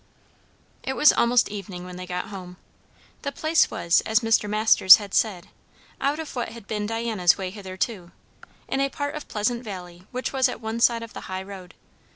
It was almost evening when they got home. The place was, as Mr. Masters had said, out of what had been Diana's way hitherto; in a part of Pleasant Valley which was at one side of the high road.